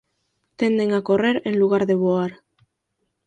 Tenden a correr en lugar de voar.